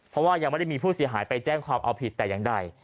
เพราะว่ายังไม่ได้มีผู้เสียหายไปแจ้งความเอาผิดแต่อย่างใด